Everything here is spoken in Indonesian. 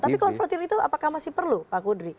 tapi konfrontir itu apakah masih perlu pak kudri